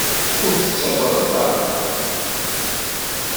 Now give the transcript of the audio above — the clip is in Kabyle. Ur t-tettagad ara.